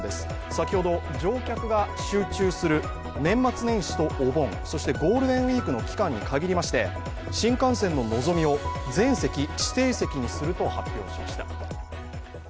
先ほど、乗客が集中する年末年始とお盆、そしてゴールデンウイークの期間に限りまして新幹線ののぞみを全席指定席にすると発表しました。